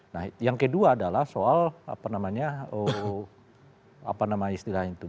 nah yang kedua adalah soal apa namanya apa namanya istilah itu